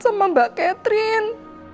sama mbak catherine